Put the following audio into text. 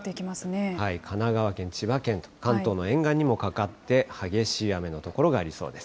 神奈川県、千葉県、関東の沿岸にもかかって、激しい雨の所がありそうです。